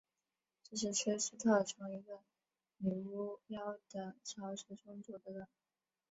这是崔斯特从一个女巫妖的巢穴中夺得的。